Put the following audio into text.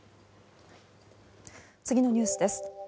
次のニュースです。